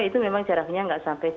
itu memang jaraknya tidak sama